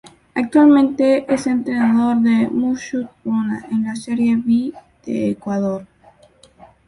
Actualmente es entrenador de Mushuc Runa de la Serie B de Ecuador.